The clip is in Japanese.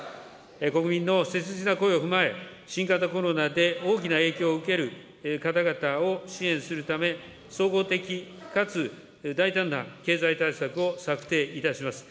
国民の切実な声を踏まえ、新型コロナで大きな影響を受ける方々を支援するため、総合的かつ大胆な経済対策を策定いたします。